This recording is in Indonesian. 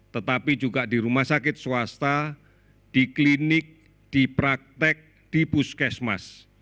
tetapi juga di rumah sakit swasta di klinik di praktek di puskesmas